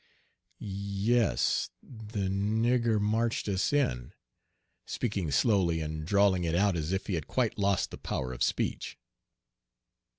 "Yes es, the nigger marched us in," speaking slowly and drawling it out as if he had quite lost the power of speech.